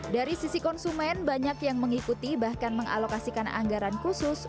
dari sisi konsumen banyak yang mengikuti bahkan mengalokasikan anggaran khusus